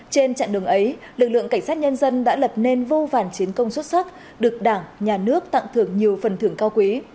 trên chặng đường ấy lực lượng cảnh sát nhân dân đã lập nên vô vàn chiến công xuất sắc được đảng nhà nước tặng thưởng nhiều phần thưởng cao quý